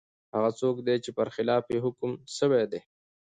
هغه څوک دی چي پر خلاف یې حکم سوی وي ؟